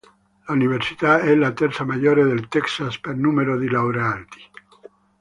L'università è la terza maggiore del Texas per numero di laureati.